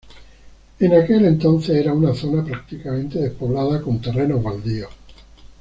En aquel entonces era una zona prácticamente despoblada, con terrenos baldíos.